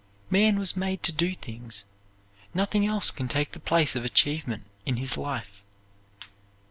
Man was made to do things. Nothing else can take the place of achievement in his life.